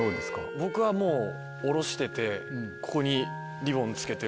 僕はもう下ろしててここにリボン着けてる。